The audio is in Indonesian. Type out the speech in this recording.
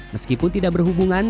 meskipun tidak berhubungan